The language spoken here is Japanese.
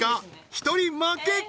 １人負けか？